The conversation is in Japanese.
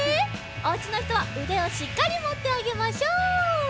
おうちのひとはうでをしっかりもってあげましょう。